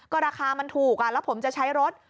ก็ราคามันถูกแล้วผมจะใช้รถ